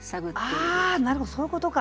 ああなるほどそういうことか。